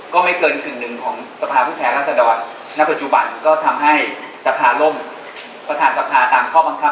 ก็ไม่เกินกึ่งนึงของสภาผู้แพร่รัฐสดรก็ทำให้สภาร่มประธานสภาตามข้อบังคับ๒๕๖๒